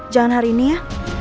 jangan hari ini ya